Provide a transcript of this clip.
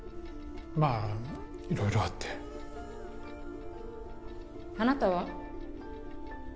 まあ色々あってあなたは？